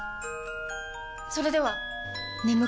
それでは！